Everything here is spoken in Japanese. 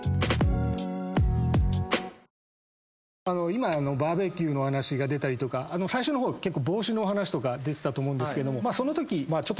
今バーベキューの話が出たりとか最初の方結構帽子のお話とか出てたと思うんですけども。